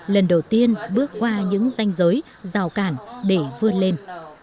lần đầu tiên bước qua những danh giới rào cản để vươn lên